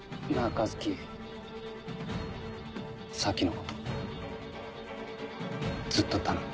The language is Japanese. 一樹咲のことずっと頼む